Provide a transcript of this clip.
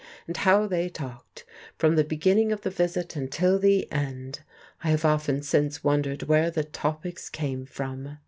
And how they talked, from the beginning of the visit until the end! I have often since wondered where the topics came from.